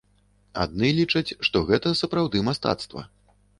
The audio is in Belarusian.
Адны лічаць, што гэта сапраўды мастацтва.